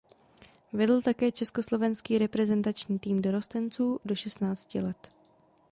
Vedl také československý reprezentační tým dorostenců do šestnácti let.